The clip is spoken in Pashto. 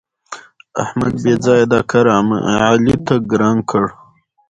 احمد بېځآیه دا کار علي ته ګران کړ.